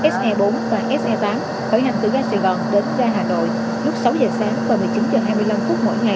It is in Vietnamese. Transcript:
s hai mươi bốn và s hai mươi tám khởi hành từ ga sài gòn đến ga hà nội lúc sáu giờ sáng và một mươi chín h hai mươi